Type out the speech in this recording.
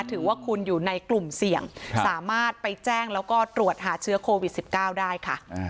ถือว่าคุณอยู่ในกลุ่มเสี่ยงสามารถไปแจ้งแล้วก็ตรวจหาเชื้อโควิด๑๙ได้ค่ะ